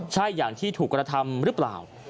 ใช่อย่างที่ถูกกระทำหรือเปล่า